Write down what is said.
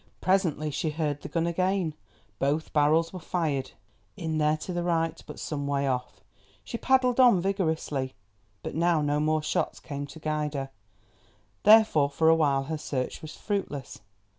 Presently she heard the gun again; both barrels were fired, in there to the right, but some way off. She paddled on vigorously, but now no more shots came to guide her, therefore for a while her search was fruitless.